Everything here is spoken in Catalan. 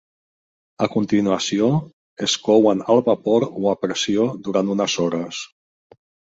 A continuació, es couen al vapor o a pressió durant unes hores.